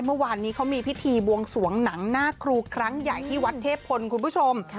เมื่อวานนี้เขามีพิธีบวงสวงหนังหน้าครูครั้งใหญ่ที่วัดเทพพลคุณผู้ชม